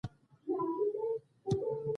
کانونه وساتئ.